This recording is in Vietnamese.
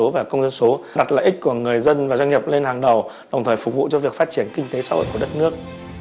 và doanh nghiệp lên hàng đầu đồng thời phục vụ cho việc phát triển kinh tế xã hội của đất nước